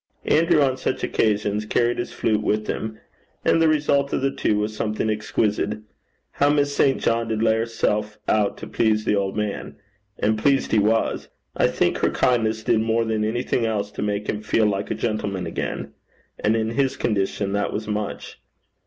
Andrew on such occasions carried his flute with him, and the result of the two was something exquisite. How Miss St. John did lay herself out to please the old man! And pleased he was. I think her kindness did more than anything else to make him feel like a gentleman again. And in his condition that was much.